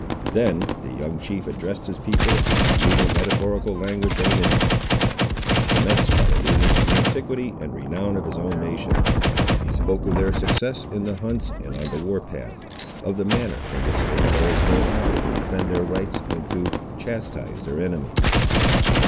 Then the young chief addressed his people, in the usual metaphorical language of an Indian. He commenced by alluding to the antiquity and renown of his own nation. He spoke of their successes in the hunts and on the war path; of the manner in which they had always known how to defend their rights and to chastise their enemies.